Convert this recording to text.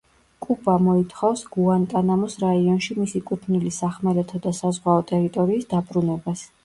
კუბა მოითხოვს გუანტანამოს რაიონში მისი კუთვნილი სახმელეთო და საზღვაო ტერიტორიის დაბრუნებას.